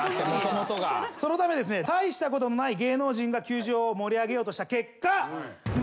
そのためですね大したことない芸能人が球場を盛り上げようとした結果。